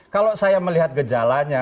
kalau saya melihat gejalanya